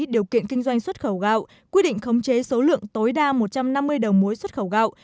điều kiện kinh doanh xuất khẩu gạo quy định khống chế số lượng tối đa một trăm năm mươi đầu mối xuất khẩu gạo